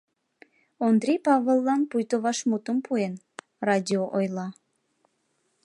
Ондрий Павыллан пуйто вашмутым пуэн, радио ойла: